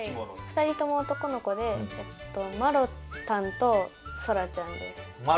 ２人とも男の子でまろたんそらちゃん。